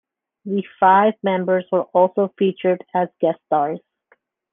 The five members were also featured as guest stars.